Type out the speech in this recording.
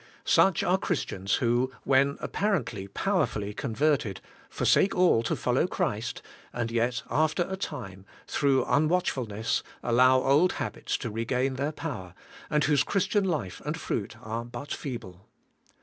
Such are Chris tians who, when apparently powerfully converted, forsake all to follow Christ, and yet after a time, through unwatchfulness, allow old habits to regain their power, and whose Christian life and fruit are but feeble.